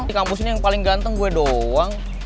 di kampus ini yang paling ganteng gue doang